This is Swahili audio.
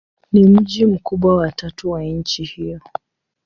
Ni mji mkubwa wa tatu wa nchi hiyo.